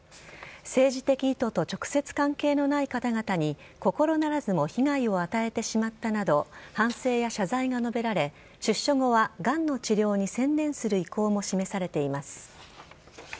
政治的意図と直接関係のない方々に心ならずも被害を与えてしまったなど反省や謝罪が述べられ出所後はがんの治療に専念する意向も示されています。